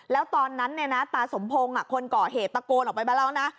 แล้วตอนนั้นตาสมพงศ์คนก่อเหตุตะโกนออกไปมาแล้วนะ